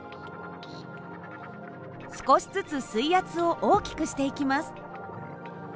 少しずつ水圧を大きくしていきます。